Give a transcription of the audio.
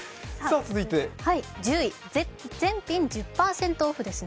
続いて１０位、全品１０％ＯＦＦですね。